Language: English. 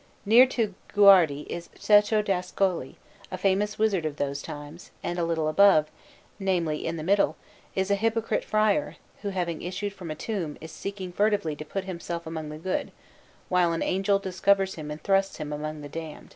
Near to Guardi is Ceccho d'Ascoli, a famous wizard of those times; and a little above namely, in the middle is a hypocrite friar, who, having issued from a tomb, is seeking furtively to put himself among the good, while an angel discovers him and thrusts him among the damned.